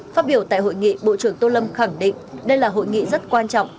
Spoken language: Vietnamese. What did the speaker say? phát biểu tại hội nghị bộ trưởng tô lâm khẳng định đây là hội nghị rất quan trọng